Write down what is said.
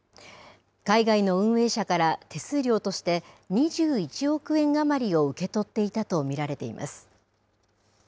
海外の運営者から手数料として２１億円余りを受け取っていたと見られています。